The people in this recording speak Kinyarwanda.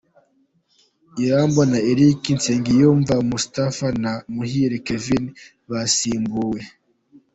Irambona Eric, Nsengiyumva Moustapha na Muhire Kevin basimbuwe.